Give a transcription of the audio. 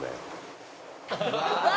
「うわ！」